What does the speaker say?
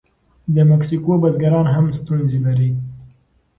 د مکسیکو بزګران هم ستونزې لري.